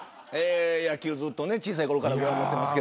野球をずっと小さいころからご覧になってますが。